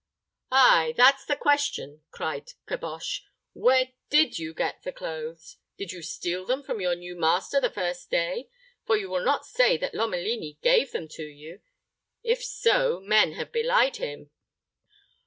"Ay, that's the question," cried Caboche; "where did you get the clothes? Did you steal them from your new master the first day; for you will not say that Lomelini gave them to you. If so, men have belied him."